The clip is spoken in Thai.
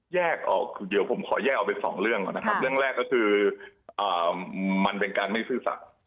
แยกออกเดี๋ยวผมขอแยกออกไปสองเรื่องก่อนนะครับเรื่องแรกก็คือมันเป็นการไม่ซื่อสัตว์